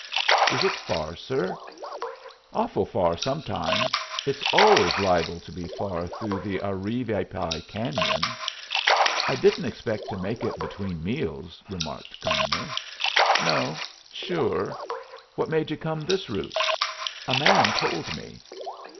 '" "Is it far, sir?" "Awful far, sometimes. It's always liable to be far through the Arivaypa Cañon." "I didn't expect to make it between meals," remarked Cumnor. "No. Sure. What made you come this route?" "A man told me."